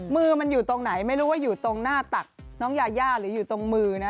มือมันอยู่ตรงไหนไม่รู้ว่าอยู่ตรงหน้าตักน้องยาย่าหรืออยู่ตรงมือนะ